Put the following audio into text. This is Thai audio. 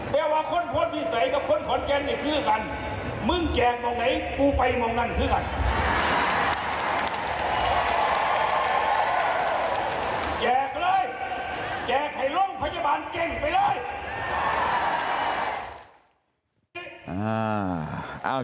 แจกเลยแจกให้ร่วงพญาบาลเก่งไปเลย